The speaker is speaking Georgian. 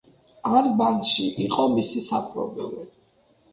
ანგბანდში იყო მისი საპყრობილე.